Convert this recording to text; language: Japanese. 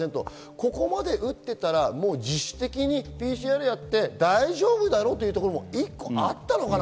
ここまで打っていたら自主的にＰＣＲをやって、大丈夫だろうというのも一個あったのかな？